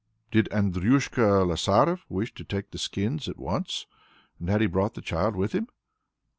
Did Andryushka Lasaref wish to take the skins at once, and had he brought the child with him?